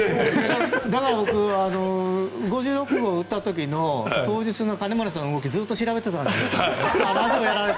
だから、僕は５６号を打った時の当日の金村さんの動きを調べてたんですよ。